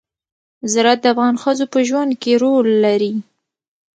زراعت د افغان ښځو په ژوند کې رول لري.